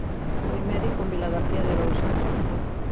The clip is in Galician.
Foi médico en Vilagarcía de Arousa.